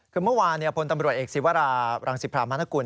คือเมื่อวานพลตำรวจเอกศิวรารังสิพรามนกุล